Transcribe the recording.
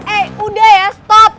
eh udah ya stop